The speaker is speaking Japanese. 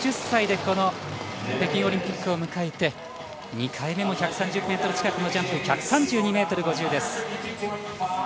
４０歳でこの北京オリンピックを迎えて２回目も１３０ｍ近くのジャンプ１３２ｍ５０です。